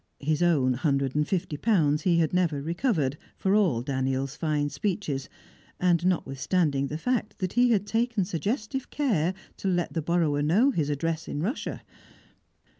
His own hundred and fifty pounds he had never recovered, for all Daniel's fine speeches, and notwithstanding the fact that he had taken suggestive care to let the borrower know his address in Russia.